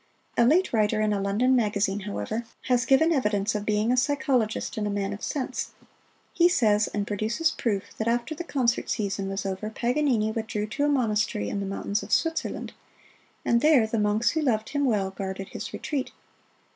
A late writer in a London magazine, however, has given evidence of being a psychologist and man of sense; he says, and produces proof, that after the concert season was over Paganini withdrew to a monastery in the mountains of Switzerland, and there the monks who loved him well, guarded his retreat.